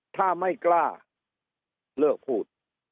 ถ้าไม่กล้าเลิกพูด